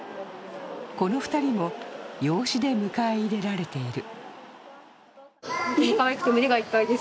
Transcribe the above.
この２人も養子で迎え入れられている。